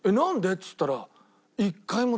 っつったら。